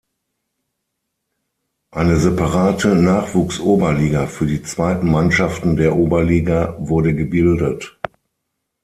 Eine separate Nachwuchsoberliga für die zweiten Mannschaften der Oberliga wurde gebildet.